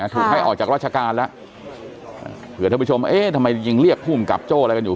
ถูกให้ออกจากราชการแล้วเผื่อท่านผู้ชมเอ๊ะทำไมยังเรียกภูมิกับโจ้อะไรกันอยู่